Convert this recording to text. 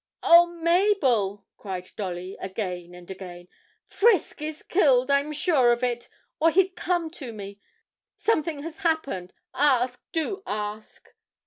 'Oh, Mabel,' cried Dolly, again and again. 'Frisk is killed, I'm sure of it, or he'd come to me something has happened ask, do ask.'